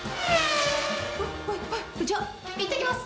じゃあいってきます！